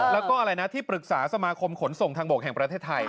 แล้วก็อะไรนะที่ปรึกษาสมาคมขนส่งทางบกแห่งประเทศไทย